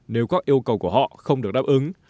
nếu các yêu cầu của họ không được đáp ứng